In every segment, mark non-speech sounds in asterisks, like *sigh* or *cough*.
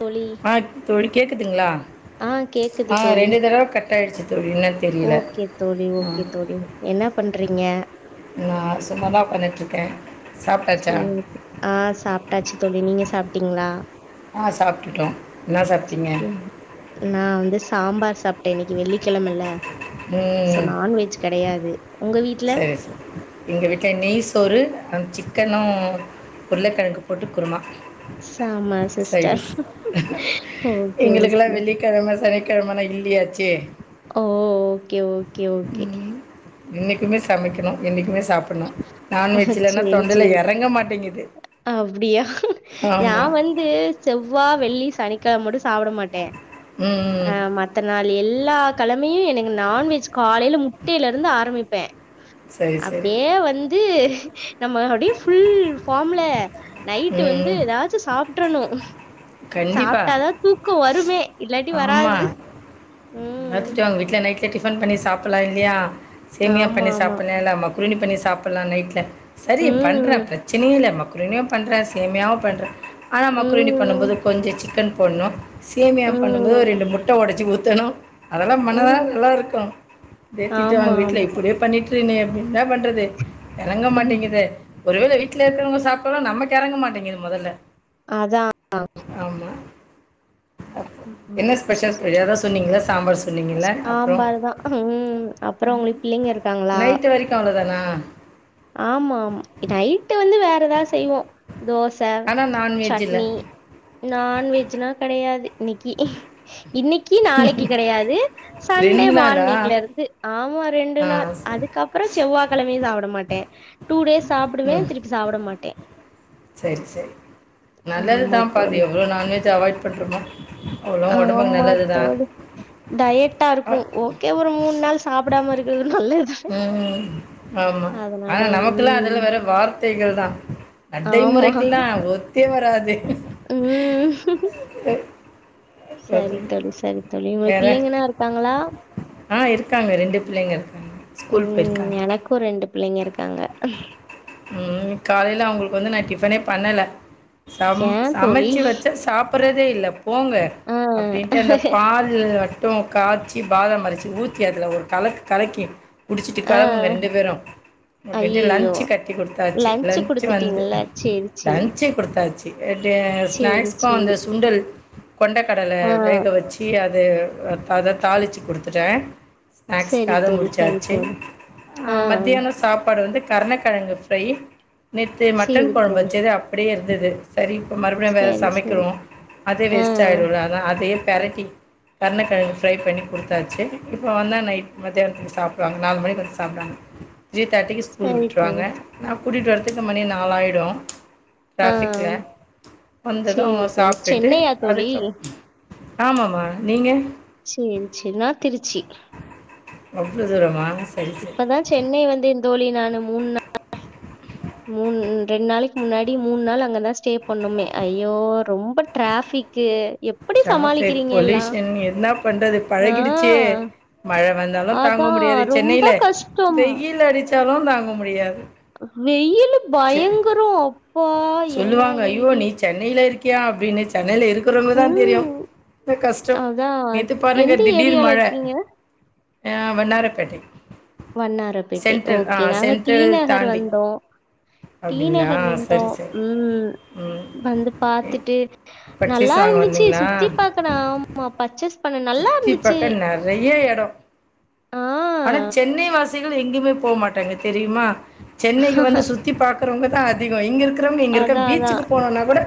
தோழி ஆ தோழி கேக்குதுங்களா ஆ கேக்குது ஆ தோழி ரெண்டு தடவ கட்டாயிடுச்சு தோழி என்னன் தெரியல ஓகே தோழி ஆ ஓகே தோழி என்ன பண்றீங்க நா சும்மதா உக்கார்ந்து கிட்டுருக்கே சாப்ட்டாச்சா சேரி ஆ சாப்பிட்டாச்சு தோழி நீங்க சாப்பிட்டீங்களா ஆ சாப்ட்டுட்டோ ம் நா வந்து சாம்பார் சாப்ட்டே இன்னைக்கி வெள்ளிக்கெழமல்ல சோ ம் நான்வெஜ் கெடையாது உங்க வீட்ல எங்க வீட்ல நெய் சோறு அ சிக்கனு உருளக்கெழக்கு போட்டு குருமா ஆமா சிஸ்டர் *unintelligible* ஓகே எங்களுக்கெல்லா ஓகே வெள் ளி கெழம சனிக்கெழமலா இல்லியாச்சே ஓ ஓகே ஓகே ஓகே இன்னைக்குமே சமைக்கணு என்னைக்குமே சாப்ட் டுன்னு நான்வெஜ் இல்லன்னா தொண்டையில எறங்க மாட்டேங்கிது அப்பிடியா நா வந் து செவ்வா வெள்ளி சனிக்கெழ மட்டு சாப்புட மாட்டே ம் அ மத் த்த நாள் எல்லா கழமையு எனக்கு நான்வெஜ் காலையில முட்டையிலருந்து ஆரம்பிப்பே செரி செர் அப்படியே வந்து நம்ம அப்டியே ஃபுல் ஃபார்ம்ல நைட்டு வந்து ம். ஏதாச்சு சாப்ட்டர்ணு கண்டிப்பா. சாப்ட்டாதா தூக்கொ வருமே இல்லாட்டி வராது ம் என்னாத்துட்ட ஒங்க வீட்டுல நைட்ல டிஃபன் பண்ணி சாப்பலா இல்லையா சேமியா ஆமா பண்ணி ஆமா சாப்பலா இல்ல மக் குருணி பண்ணி சாப்புலா நைட்ல சரி பண்றே ம் பிரச்சனையே இல்ல மக் குருனியு பண்றே சேமையாவு பண்றே ஆனா மக்ரூணி பண்ணும்போது ம் கொஞ்சொ சிக்கன் போட்ணு சேமியா பண்ணும்போது ம் ஒரு ரெண்டு முட்ட ஒடச்சி ஊத்தணு அதெல்லா பண்ணாதா ம் நல்லாருக்கு ஒரே ஆமா திட்டுவாங்க வீட்ல ஆமா இப்டியே பண்ணிட்டு இது நீ எப்பைமே பண்றது எறங்க மாட்டேங்குதே ஒரு வேள வீட்ல இருக்குறவங்க சாப்ட்டாலு நமக்கு எறங்க மாட்டேங்குது மொதல்ல அதா ஆமா என்ன ஸ்பெஷல் தோழி எதோ சொன்னீங்களே எ சாம்பாருதா ம் அப்றோ உங்களுக்கு பிள்ளைங்க இருக்காங்களா ரிக்கு அவ்ங்கதான ஆமா ஆம் நைட்டு வந்து வேற எதாவ் செய்வோ தோச ஆனால் நான்வெஜ் இல்லை சட்னி நான்வெஜ்னா கெடையாது இன்னைக்கி இன்னக்கி நாளைக்கி கெடையாது சண்டே ரெண்டு நாளா மார்னிங்ல இருந்து ஆமா ரெண்டு ஆ நாள் சரி அதுக்கப்பறோ செவ்வா கெழமையு சாப்ட மாட்டே டூ டேஸ் சாப்டுவே திருப் சாப்ட மாட்டே செரி செரி ஆமா நல்லதுதாம்பா அது தோழி எவ்ளோ நான்வெஜ் அவாய்ட் பண்றமோ ஆமாத்தோழி டயட்டா இருக்கு ஓ கே ஒரு மூணு நாள் சாப்புடாம இருக்குறது நல்லதுதா ம் ஆமா ஆனா நமக்குல்லா ம் அதுலா வெறு வார்த்தைகள்தா நடை ஆமா முறைக்குல்லா ஓத்தே வராது ம் சரி தோழி சரி தோழி உங்க வேற பிள்ளைங்கனா இருக்காங்களா ஆ இருக்காங்க ரெண்டு பிள்ளைங்க இருக்காங்க ஸ்கூல் ம் போயிருக்காங்க எனக்கு ரெண்டு பிள்ளைங்க இருக்காங்க ம் காலைல அவங்களுக்கு வந்து நா டிஃபனே பண்ணல சம் ஏ தோழி சமைச்சு வச்சா சாப்பறதே இல்ல போங்க ஆ, அப்டின்ட்டு அந்த பால் மட்டு காச்சி பாதம் அரச்சு ஊத்தி அதுல ஒரு கலக் கலக்கி குடிச்சிட்டு ஆ. கெளம்புங்க ரெண்டு பேரு அப்டின்ட்டு அய்யய்யோ! லன்ச்சு கட்டி குடுத்தாச்சு லஞ்ச் லன்சு வந்து குடுத்துட்டீங்கல்ல. சரி, சரி. லன்ச்சு குடுத்தாச்சு அ டெ சரி, ஸ்நாக்ஸ்கு அந்த சரி. சுண்டல் கொண்ட கடல ஆ. வேக வச்சு த்தி அத அ அத தாளிச்சு குடுத்துட்டே ஸ்நாக்ஸ் சரி கது தோழி, சரி முடிச்சாச்சு தோழி. அ ஆ. மத்தியானம் சாப் பாடு வந்து கர்ணக்கெழங்கு ஃப்ரை நேத்து மட்டன் சரி கொழம்பு தோழி. வச்சது அப்டியே இருந்தது சரி இப்போ மறுபடியு நம்ம எதா சரி, சரி. சமைக்கிறோ அது ஆ. வேஸ்ட் ஆயிடுல அதா அதே பெரட்டி கர்ணக்கெழங் ஃப்ரை பண்ணி குடுத்தாச்சு இப்போ வந்தா நைட் மதியானத்துக் சாப்புடுவாங்க நாலு மணிக் வந்து சாப்புடுவாங்க றைக்கே ஸ்கூல் சரி தோழி. விட்டுருவாங்க நா கூட்டிட்டு வர்றதுக்கு மணி நாலாயிடு ஆ. ட்ராஃபிக்ல வந்தது சரி தோழி. சாப்ட்டுட்டு சென்னையா தோழி? அதுக்கப் ஆமமா நீங்க சேரி சேரி நா திருச்சி அவ்ளோ தூரமா சரி சரி இப்பதா சென்னை வந்தேந் தோழி நானு மூணு நா மூன் ரெண்டு நாளைக்கு முன்னாடி மூணு நாள் அங்கதா ஸ்டே பண்ணோமே ஐயோ ரொம்ப டிராஃபிக் கு எப் ட்ராபிக் பொல்யூஷன் என்ன பண்றது பழகிடுச்சே ஆ. மழ வந்தாலு தாங்க அதான் முடியாது ரொம்ப சென்னையில கஷ்டம். வெயில் அடிச்சாலு தாங்க முடியாது வெயிலு சே பயங்கரோ அப்பா என்ன சொல்லுவாங்க ஐயோ வெயிலு நீ சென்னையில இருக்கியா அப்டின்னு சென்னையில இருக்கிறவுங்க தா தெரியு ம். இந்த கஷ்டம் அதான் நேத்து பாருங்க எந்த திடீர் ஏரியால மழ இருக்கீங்க? ஆ வன்னாரப்பேட்டை வன்னாரபேட்டை ஓகே நாங்க டி சென்ட்ரல் நகர் தாண்டி வந்தோ டி அப்டிங்களா நகர் வந்தோ சரி சரி ம் ம் வந்து பாத்துட்டு நல்லா பர்ச்சேஸ் வாங்க இருந்துச்சு வந்தீங்களா சுத்தி பாக்கணா ஆமா பச்சர்ஸ் சுத்தி பக்க நறைய இடோ ஆ. ஆனா சென்னை வாசி கள் எங்கிமே போ மாட்டாங்க தெரிமா சென்னைக்கு வந்து சுத்தி பாக்கறவுங்க அதிகோ இங்க இருக்கிறவுங்க இங்க இருக்க அதான், அதான். பீச்சுக்கு போனோனா கூட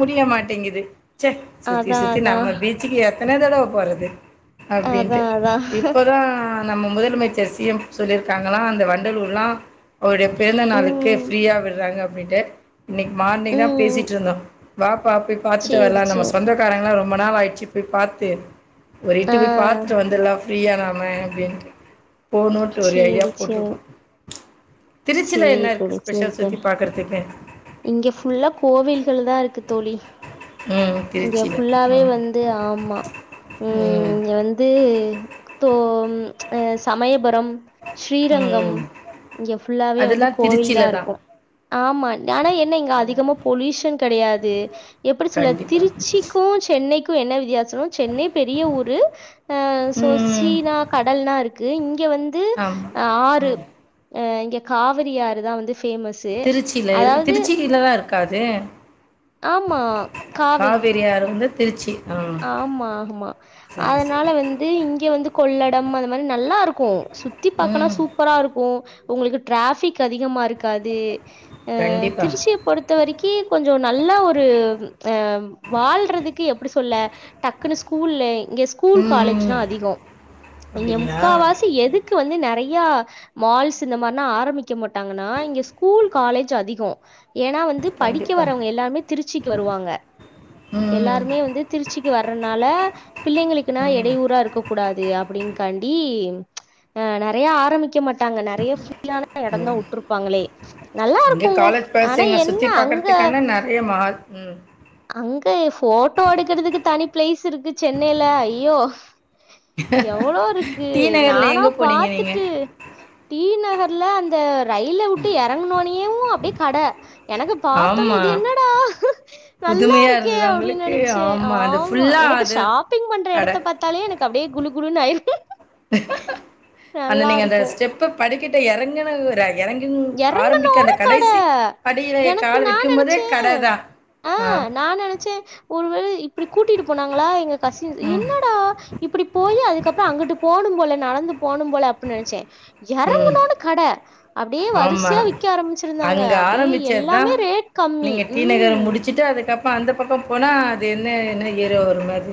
முடிய மாட்டேங்குது சே சுத்தி அதான், சுத்தி அதான். நம்ம பீச்சுக்கு எத்தன தடவ போறது அப்டின்ட்டு அதான், அதான். இப்பதா நம்ம முதலமைச்சர் சி எம் சொல்லிருக்காங்களா அந்த வண்டலூர்லா அவருடைய பிறந்த நாளுக்கு ம். ஃப்ரீயா விட்றாங்க அப்டின்ட்டு இன்னைக் மார்னிங் தா ம். பேசிட்ருந்தோ வாப்பா போய் பாத்துட்டு சரி, வர்லா சரி. நம்ம சொந்தக்காரங்ளா ரொம்ப நாள் ஆயிருச்சு போய் பாத்து ஒரு எட்டு போய் ஆ. பாத்துட்டு வந்துர்லா ஃப்ரீயா நாம அப்டின்ட்டு போனுட்டு ஒரு ஐடியா சேரி சேரி போட்ருக்கோ திருச்சில சேரி என்ன இருக்கு தோழி சேரி ஸ்பெஷல் சுத்தி தோழி பாக்குறதுக்கு இங்க ஃபுல்லா கோவில்கள் தா இருக்கு தோழி ம் இங்க திருச்சியில ஃபுல்லாவே ம் வந் து ஆமா ம் அது தோ ம் சமயபுரம் ஸ்ரீரங்கம் ம் இங்க ஃபுல்லாவே வந்து அதெல்லாம் கோவில் திருச்சியில தா தான் இருக்கு ஆமா ஆனா என்ன இங்க இல்ல அதிகமா பொல்யூஷன் கெடையாது எப்டி சொல்ல கண்டிப்பா திருச்சிக்கு சென்னைக்கு என்ன வித்தியா சோ சென்னை பெரிய ஊரு ஆ சோ சீ ம் னா கடல்னா இருக்கு இங்க வந் து ஆமா ஆறு ம் அ இங்க காவிரி ஆறு தா வந்து ஃபேமஸ்சு இல்ல திருச்சியில தா இருக்கா அது ஆமா காவிரி காவேரி ஆறு வந்து திருச்சி ஆ ஆமா ஆமா சரி அதனால சரி வந் து இங்க வந்து கொள்ளடம் அந்த மாரி நல்லா இருக்கு சுத்தி பாக்கனா ம் சூப் பரா இருக்கு உங்களுக்கு ட்ராஃபிக் அதிகமா இருக்காது அ கண்டிப்பா திருச்சிய பொறுத் த வரைக்கி கொஞ்சோ நல்ல ஒரு ஆ வாழ்றதுக்கு எப்டி சொல் சொல்ல டக்குனு ஸ்கூல்லு இங்க ஸ்கூ ஸ்கூல் ம் ம் காலேஜ் லா ம். அதிகோ இங்க அப்படிங்களா முக்காவாசி எதுக்கு வந்து நெறையா மால்ஸ் இந்த மார்லா ஆரம்பிக்க மாட்டாங்கன்னா இங்க ஸ்கூல் காலேஜ் அதிகோ ஏன்னா வந்து படிக்க கண்டிப்பா வரவுங்க எல்லாருமே திருச்சிக்கு வருவாங்க ம் எல்லாருமே வந்து திருச்சிக்கு வர்றனால பிள்ளைங்களுக்குனா ம் ம் எடையூரா இருக்க கூடாது அப்டின் காண்டி ஆ நறையா ஆரம்பிக்க மாட்டாங்க நறைய சிம்பிளான இடந்தா உட்ருப்பாங்ளே நல்லா இங்க இருக்குங்க ஆனா என்ன அங்க அதே மார் ம் அங்க ஃபோட்டோ எடுக்கறதுக்கு தனி ப்ளேஸ் இருக்கு சென்னைல ஐயோ எவ்ளோ இருக்கு டி நகர்ல நானா எங்க போனீங்க நீங்க? பாத்துட்டு டி நகர்ல அந்த ரயில உட்டு எறங்கனோனேவு அப்டியே கட எனக்கு பாத்தோனே ஆமா. இது என்னடா நல்லா புதுமையா இருக்கே இருந்ததா அப்டினு உங்களுக்கு? நெனச்சே அது ஆமா ஃபுல்லா எனக்கு அது ஷாப்பிங் பண்ற கட. எடத்த பாத் த்தாலே எனக்கு அப்டியே குலு குலுனு ஆயிரும் அந்த நீங்க அந்த ஸ்டெப்ப படிக்கிட்ட எறங்குனது ஒரு எறங்கி ஆரம்பிக்க எறங்குனோன அந்த கட கடைசி படியில என் எனக்கு கால நா வைக்கும்போதே நெனச்சே கட தான் ஆ நா நெனைச்சேன் ஒருவேள இப்டி கூட்டிட்டு போனாங்களா எங்க கசின்ஸ் ம். என்னடா இப்பிடி போயி அதுக்கப்றம் அங்குட்டு போனும் போல நடந்து போனும் போல அப்டின் நெனைச்சே ம். எறங்குனோன கட அப்டியே ஆமா வரிசையா விக்க ஆரம்பிச்சிருந்தாங்க. அங்க அப்டியே ஆரம்பிச்ச தா எல்லாமே ரேட் கம்மி. நீங்க டி நகர் ம். முடிச்சுட்டு அதுக்கப் ப்ப அந்த பக்கம் போனா அது என்ன என்ன ஏரியா வரும் அது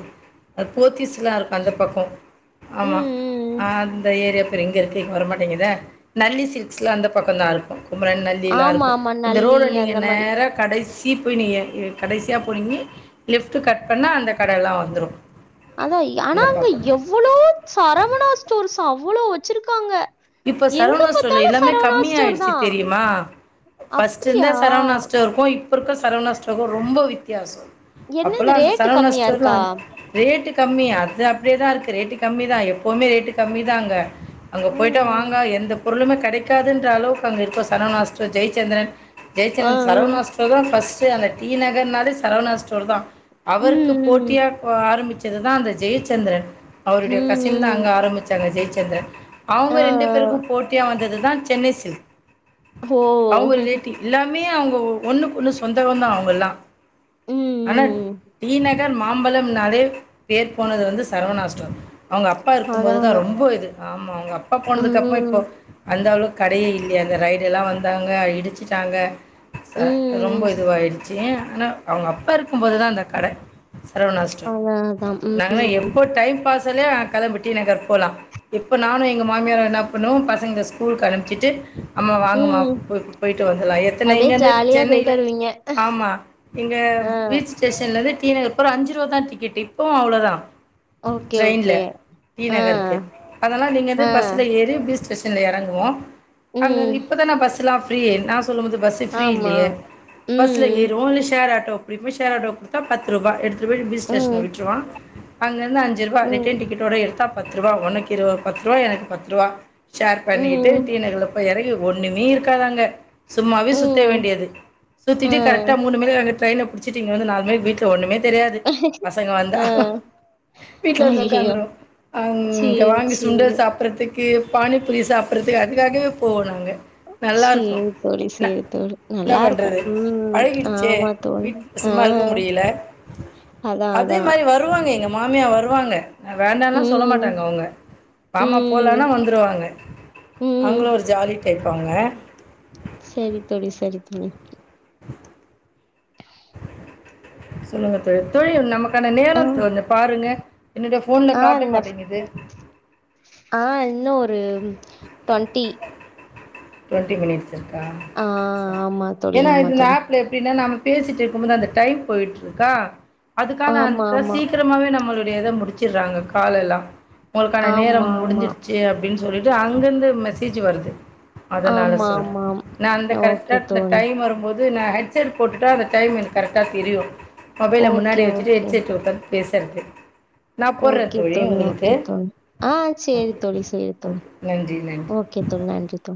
அது போத்திஸ்லா இருக்கூ அந்த பக்கம் ம், ஆமா ம். ஆ அந்த ஏரியா பேர் எங்க இருக்கு வரமாட்டேங்குதே நல்லி சில்க் க்ஸ் லா அந்த பக்கந்தா இருக்கும் குமரன் நல்லிலா ஆமா, இருக்கும் ஆமா. இந்த நல்லி ரோடு நீங்க அந்த மாரி. நேரா கடைசி தீப்பொய் நீய கடைசியா போனிங்னி லெஃப்ட் கட் பண்ணா அந்த கடையெல்லா வந்துரு அதா ஆனா அந்த அங்க பக்கோ எவ்வளோ சரவணா ஸ்டோர்ஸ் அவ்வளோ வச்சிருக்காங்க இப்ப எங்கால சரவணாஸ் ஸ்டோர்ல எல்லாமே சரவணா கம்மிய ஸ்டோர் ஆயிடுச்சு தான். தெரியுமா ஃபர்ஸ்ட் அப்டியா? இருந்த சரவணா ஸ்டோர்க்கூ இப்ப இருக்குற சரவணா ஸ்டோர்க்கூ ரொம்ப வித்தியாசொ என்னது அப்பல்லா அந்த ரேட்டு சரவணாஸ் கம்மியா ஸ்டோர்ல இருக்கா? ரேட்டு கம்மி அது அப்டியே தா இருக்கு ரேட்டு கம்மி தா எப்போவுமே ரேட்டு கம்மி தா அங்க ம், போய்டோ ம். வாங்க எந்த பொருளுமே கெடைக்காதுன்ற அளவுக்கு அங்கே இருக்கூ சரவணாஸ் ஸ்டோர் ஜெயச்சந்திரன் ஆ, ஜெயச்சந்தன் ஆ. சரவணாஸ் ஸ்டோர் தா ஃபஸ்டு அந்த டி நகர்னாலே சரவணாஸ் ஸ்டோர் தா அவருக்கு ம், போட்டியா ஆரம்பிச்சதுதா அந்த ஜெயச்சந்திரன் ம், அவருடைய கசின் தான் அங்க ம். ஆரம்பிச்சாங்க ஜெயச்சந்த்ரன் ஆ, அவுங்க ரெண்டு பேருக்கும் போட்டியா வந்தது தா சென்னை சில்க் ஓ! அவுங்க ரிலேட்டிவ் எல்லாமே அவுங்க ஒன்னுக்கு ஒன்னு சொந்தந்தா அவுங்கல்லா ம், ஆனா ம். டி நகர் மாம்பழம்னாலே பேர் போனது வந்து சரவணாஸ் ஸ்டோர் அவுங்க அப்பா இருக்கும்போது அதான், தா அதான். ரொம்பொ இது ஆமா அவுங்க அப்பா போனதுக்கப்புறம் இப்போ ம், அந்த அளவுக்கு கடையே இல்லையே அந்த ரைடெல்லா வந்தாங்க இடிச்சிட்டாங்க ச ரொம்பொ ம். இதுவாயிடுச்சு ஏ ஆனா அவுங்க அப்பா இருக்கும்போதுதா அந்த கட சரவணாஸ் ஸ்டோர் அதான், அதான். ம், நாங்களா எப்போ டைம் பாஸ் சொல்லயா நாங்க கெளம்பு டீ நகர் போலா இப்ப நானு எங் எங்க மாமியாரூ என்ன பண்ணுவோ பசங்கள ஸ்கூலுக்கு அனுப்ச்சிட்டு அம்மா வாங்கமா ம். பே போயிட்டு வந்துலா எத்தனை அப்படியே இங்கேந்து ஜாலியா போயிட்டு சென்னையில வருவீங்க. ஆமா இங்க ஆ, பீச் ஸ்டேஷேன்லருந்து டீ நகர் போற அஞ்சு ரூவாதா டிக்கெட்டு இப்போவு அவ்ளோதா ஓகே, ஓகே. ட்ரெயின்ல டீ ஆ, நகருக்கு அதெல்லா நீங்க வந்து ஆ. பஸ்ல ஏறி பீச் ஸ்டேஷன்ல எறங்குவோ ம். அங்கந் இப்பதான பஸ்ஸுல்லா ஃபீரி நா சொல்லும்போது பஸ் ஃப்ரீ ஆமா. இல்லியே பஸ்ல ஏறுவோ ம், இல்ல ஷேர் ஆட்டோ புடிப்போ ஷேர் ஆட்டோ புடி டா பத்து ரூபா எடுத்து போய பீச் ஸ்டேஷன்ல ம், விட்டுருவா அங்கிருந்து அஞ்சு ரூபா ம், ரிட்டர்ன் டிக்கெட் ஓட எடுத்தா பத்து ரூபா ஒன்னக்கு இரு பத்து ரூவா எனக்கு பத்து ரூவா ஷேர் பண்ணிட்டு ம், டீ நகர்ல போய் எறங்கி ஒண்ணுமே இருக்காது அங்க சும்மாவே சுத்த ம். வேண்டியது ஆ, சுத்திட்டு கரெக்டா மூணு *unintelligible* ட்ரெயன புடிச்சிட்டு இங்க வந்து நாலு மணிக்கு வீட்டுல ஒண்ணுமே தெரியாது பசங்க வந்தா ஆ. வீட்ல வந்து ஐயய்யோ! உக்காந்துரும் அங்க சரி, வாங்கி சரி. சுண்டல் சாப்ப சாப்றதுக்கு பானி புளி சாப்டுறதுக்கு அதுக்காகவே போவோ நாங்க நல்லா சரி இருக்கும் தோழி, என்ன சரி தோழி. என்ன நல்லாருக்கும். பண்றது ம். பழகிடுச்சே ஆமா தோழி. சும்மா இருக்க ஆ. முடியல அதான் அதே அதான். மாதிரி வருவாங்க எங்க மாமியா வருவாங்க ஆ வேண்டாம்ல்லா சொல்ல ம். மாட்டாங்க அவங்க பாமாப்ப ம். வந்துருவாங்க ம். அவங்களு ஒரு ஜாலி டைப் அவங்க சேரி தோழி சேரி தோழி சொல்லுங்க தோழி தோழி நமக்கான ஆ, நேரம்ஞ்ச பாருங்க என்னுடைய ஃபோன்ல ஆ காட்ட இந்த மாட்டேங்குது. ஆ இன்னு ஒரு டவெண்டண்டி ட்வெண்ட்டி மினிட்ஸ் இருக்கா ஆ ச ஆமா தோழி, ஏன்னா ஆமா இதுல தோழி. ஆப் எப்டின்னா நாம பேசிட்டு இருக்கும் போது அந்த டைம் போயிட்டு இருக்கா அதுக்கான ஆமா, அ ஆமா. சீக்கிரமாவே நம்மளுடைய இதை முடிச்சடுறாங்க கால எல்லா உங்களுக்கான ஆமா, நேரம் ஆமா. முடிஞ்சிடுச்சு அப்டின்னு சொல்லிட்டு அங்கேருந்து மெசேஜ் வருது அதனால ஆமா, சொல்ற ஆமாம். இல்லன்னா அந்த கரெகடா ஓகே தோழி. டைம் வரும் போது நா ஹ ஹெட்செட் போட்டுட்டா அந்த டைம் எனக்கு கரெக்டாக தெரியு மொபைல ஓகே, முன்னாடி வச்சுட்டு ஓகே. ஹெட்செட் உட்கந்து பேசுறிறது ஓகே தோழி ஓகே தோழி ஆ சேரி ஓகே தோழி சேரி தோழி ஓகே நன்றி நன்றி ஓகே தோழி நன்றி தோழி.